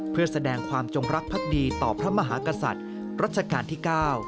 เพื่อแสดงความจงรักภักดีต่อพระมหากษัตริย์รัชกาลที่๙